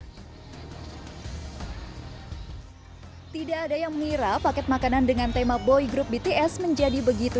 hai tidak ada yang mengira paket makanan dengan tema boy group bts menjadi begitu